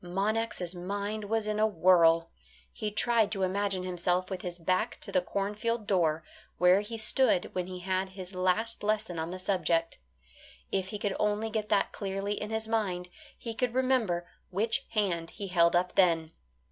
Monax' mind was in a whirl. He tried to imagine himself with his back to the cornfield door, where he stood when he had his last lesson on the subject. If he could only get that clearly in his mind, he could remember which hand he held up then.